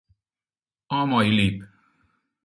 A mai Lip